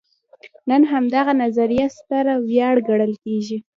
نن همدغه نظریه ستره ویاړ ګڼل کېږي.